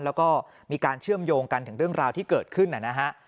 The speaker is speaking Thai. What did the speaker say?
แล้วก็มีการเชื่อมโยงกันถึงเรื่องราวที่เกิดขึ้นนะฮะ